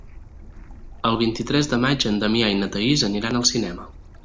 El vint-i-tres de maig en Damià i na Thaís aniran al cinema.